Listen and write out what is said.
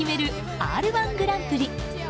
「Ｒ‐１グランプリ」。